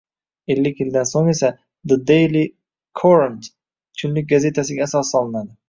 Ellik yildan so‘ng esa «The Daily Courant» kunlik gazetasiga asos solinadi.